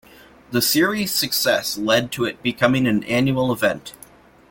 The series' success led to it becoming an annual event.